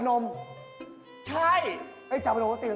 แล้วปะบ่อยบอซิล